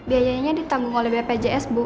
biayanya ditanggung oleh bpjs bu